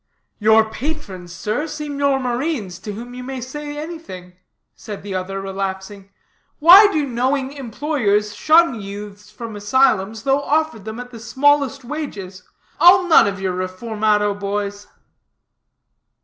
"Your patrons, sir, seem your marines to whom you may say anything," said the other, relapsing. "Why do knowing employers shun youths from asylums, though offered them at the smallest wages? I'll none of your reformado boys."